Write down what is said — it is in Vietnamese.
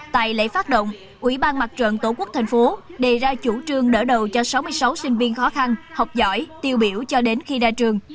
tại lễ phát động ủy ban mặt trận tổ quốc tp hcm đề ra chủ trương đỡ đầu cho sáu mươi sáu sinh viên khó khăn học giỏi tiêu biểu cho đến khi ra trường